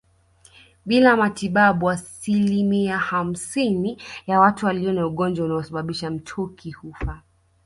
Bila matibabu asilimia hamsini ya watu walio na ugonjwa unaosababisha mtoki hufa